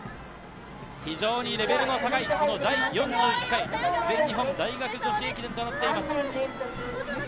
非常にレベルの高い第４１回全日本大学女子駅伝となっています。